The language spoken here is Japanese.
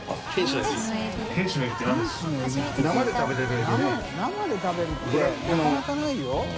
咾諭生で食べるってなかなかないよ田村）